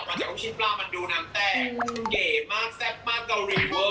หลังจากนุ่มชิ้นปลามันดูน้ำแตกเก๋มากแซ่บมากเกาหลีเวอร์